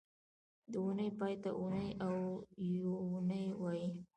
د اونۍ پای ته اونۍ او یونۍ وایي